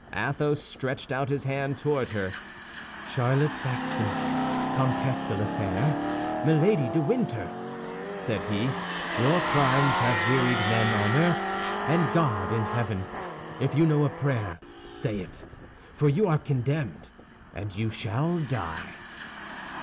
Athos stretched out his hand toward her. "Charlotte Backson, Comtesse de la Fère, Milady de Winter," said he, "your crimes have wearied men on earth and God in heaven. If you know a prayer, say it—for you are condemned, and you shall die."